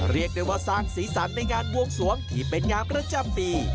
เรียกได้ว่าสร้างศีรษรรภ์ในการวงสวงที่เป็นงามประจำปี